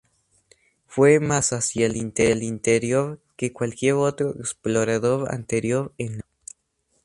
Fue más hacia el interior que cualquier otro explorador anterior en la isla.